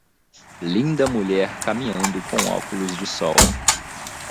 Linda mulher caminhando com óculos de sol.